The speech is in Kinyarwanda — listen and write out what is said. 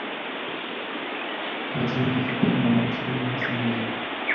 Ntakintu gifite umumaro kiri munsi y'ijuru